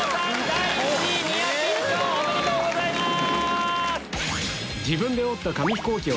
第１位ニアピン賞おめでとうございます！